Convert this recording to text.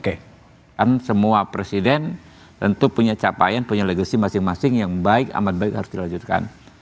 kan semua presiden tentu punya capaian punya legacy masing masing yang baik amat baik harus dilanjutkan